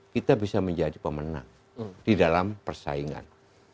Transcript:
kita bisa menjadi pemenang di dalam persaingan